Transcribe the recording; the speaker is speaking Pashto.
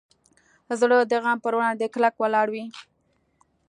زړه د غم پر وړاندې کلک ولاړ وي.